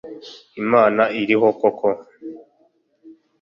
imana iriho koko